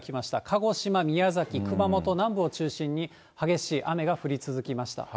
鹿児島、宮崎、熊本南部を中心に、激しい雨が降り続きました。